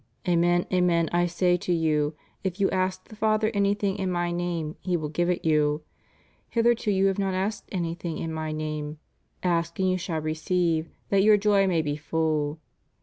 Amen, amen, I say to you if you ask the Father anything in My name, He v)Ul give it you. Hitherto you have not asked anything in My name. Ask and you shall receive, that your joy may be full.